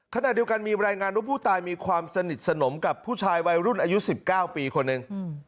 ขณะเดียวกันมีรายงานว่าผู้ตายมีความสนิทสนมกับผู้ชายวัยรุ่นอายุ๑๙ปีคนหนึ่ง